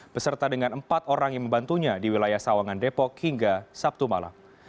beserta dengan empat orang yang membantunya di wilayah sawangan depok hingga sabtu malam